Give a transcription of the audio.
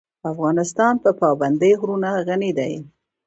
افغانستان په پابندی غرونه غني دی.